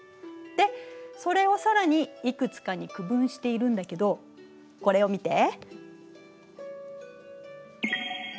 でそれを更にいくつかに区分しているんだけどこれを見て。